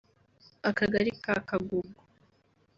Akagali ka Kagugu